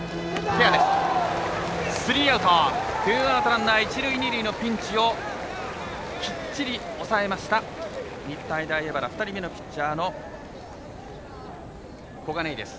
ツーアウト、ランナー一塁二塁のピンチをきっちり抑えました、日体大荏原２人目のピッチャーの小金井です。